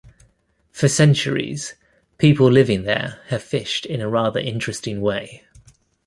For centuries, people living there have fished in a rather interesting way.